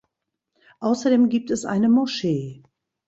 Außerdem gibt es eine Moschee.